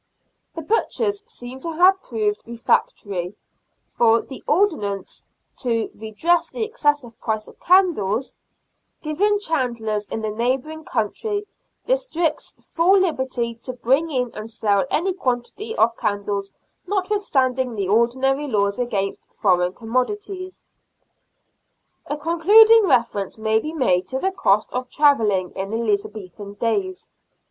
The butchers seem to have proved refractory, for the Common Council soon afterwards passed an Ordinance " to redress the excessive price of candles," giving chandlers in the neighbouring country districts full liberty to bring in and seU any quantity of candles, notwithstanding the ordinary laws against " foreign " commodities. A concluding reference may be made to the cost of travelling in Elizabethan days.